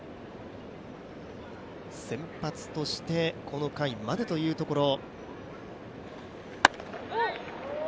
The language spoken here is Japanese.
先発として、この回までというところ。